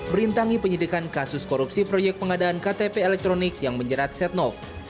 berintangi penyidikan kasus korupsi proyek pengadaan ktp elektronik yang menjerat setnov